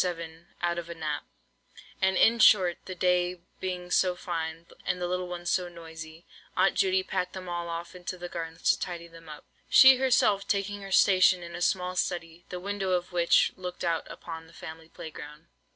7 out of a nap; and, in short, the day being so fine, and the little ones so noisy, Aunt Judy packed them all off into their gardens to tidy them up, she herself taking her station in a small study, the window of which looked out upon the family play ground.